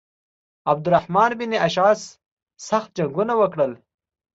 عبدالرحمن بن اشعث سخت جنګونه وکړل.